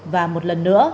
và một lần nữa